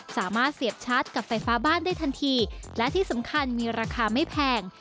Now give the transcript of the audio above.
เสียบชาร์จกับไฟฟ้าบ้านได้ทันทีและที่สำคัญมีราคาไม่แพง